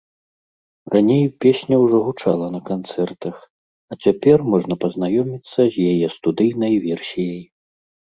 Раней песня ўжо гучала на канцэртах, а цяпер можна пазнаёміцца з яе студыйнай версіяй.